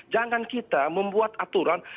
jangan kita membuat aturan